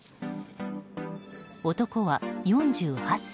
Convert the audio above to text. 男は４８歳。